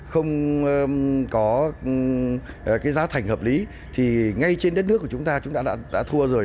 không có cái giá thành hợp lý thì ngay trên đất nước của chúng ta chúng ta đã thua rồi